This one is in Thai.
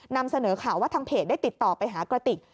นำเสนอข่าวว่าทางเพจได้ติดต่อไปหากระติก